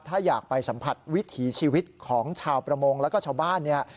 ถ้าอยากไปสัมผัสวิถีชีวิตของชาวประมงแล้วก็ชาวบ้านเนี่ย